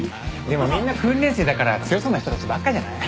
でもみんな訓練生だから強そうな人たちばっかじゃない？